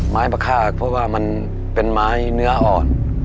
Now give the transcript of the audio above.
มาคาดเพราะว่ามันเป็นไม้เนื้ออ่อน